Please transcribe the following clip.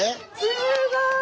すごい！